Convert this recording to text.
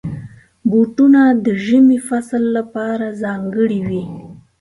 بوټونه د ژمي فصل لپاره ځانګړي وي.